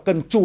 cần trung tâm